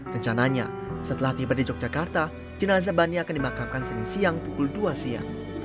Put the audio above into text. rencananya setelah tiba di yogyakarta jenazah bani akan dimakamkan senin siang pukul dua siang